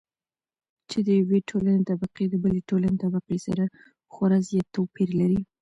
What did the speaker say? چې د يوې ټولنې طبقې د بلې ټولنې طبقې سره خورا زيات توپېر لري.